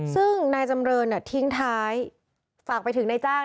ซึ่งนายจำเรินทิ้งท้ายฝากไปถึงนายจ้าง